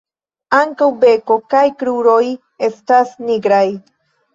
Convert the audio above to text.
Ankaŭ beko kaj kruroj estas nigraj.